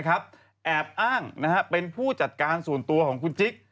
แอบอ้างเป็นผู้จัดการส่วนตัวของคุณจิ๊ก